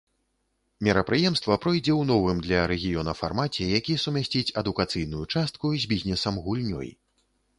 Мерапрыемства пройдзе ў новым для рэгіёна фармаце, які сумясціць адукацыйную частку з бізнесам-гульнёй.